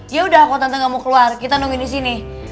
yaudah kok tante gak mau keluar kita nungguin disini